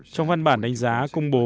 trong văn bản đánh giá công bố